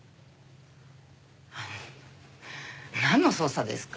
なんの捜査ですか？